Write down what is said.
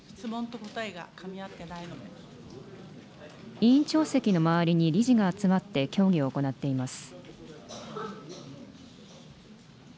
委員長席の周りに理事が集まって、協議を行っています。